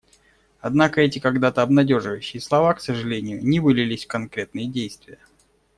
Однако эти когда-то обнадеживающие слова, к сожалению, не вылились в конкретные действия.